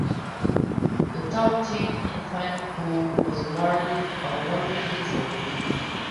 The top team in the final poll was awarded the trophy.